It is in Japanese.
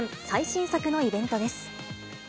最新作のイベントです。